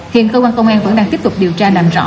hiện cơ quan công an vẫn đang tiếp tục điều tra làm rõ